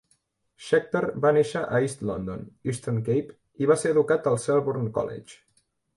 Scheckter va néixer a East London, Eastern Cape, i va ser educat al Selborne College.